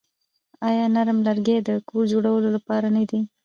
آیا نرم لرګي د کور جوړولو لپاره نه دي؟